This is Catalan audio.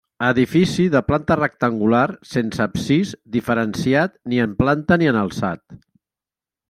Edifici de planta rectangular sense absis diferenciat ni en planta ni en alçat.